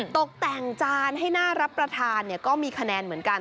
ตกแต่งจานให้น่ารับประทานก็มีคะแนนเหมือนกัน